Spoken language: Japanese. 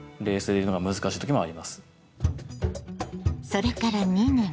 それから２年。